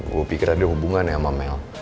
gue pikir ada hubungan ya sama mel